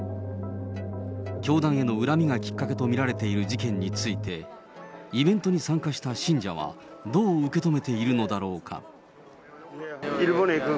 教団への恨みがきっかけと見られている事件について、イベントに参加した信者は、どう受け止めているのだろうか。